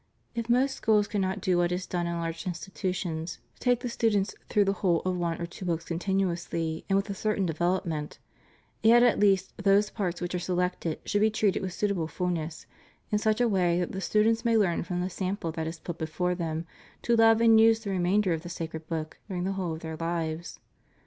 If most schools cannot do what is done in large institutions — take the students through the whole of one or two books continuously and with a certain development — yet at least those parts which are selected should be treated with suitable fulness, in such a_way that the students may learn from the sample that is put before them to love and use the remainder of the sacred book during the whole of their lives.